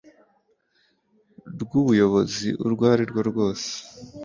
rw ubuyobozi urwo ari rwo rwose